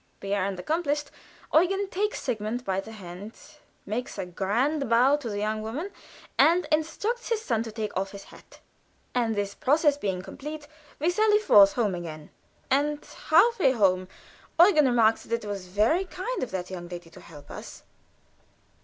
The errand accomplished, Eugen takes Sigmund by the hand, makes a grand bow to the young woman, and instructs his son to take off his hat, and, this process being complete, we sally forth again, and half way home Eugen remarks that it was very kind of that young lady to help us.